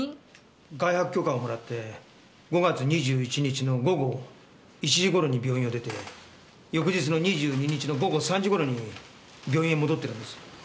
外泊許可をもらって５月２１日の午後１時頃に病院を出て翌日の２２日の午後３時頃に病院へ戻ってるんです。